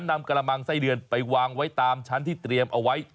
นำกระมังไส้เดือนไปวางไว้ตามชั้นที่เตรียมเอาไว้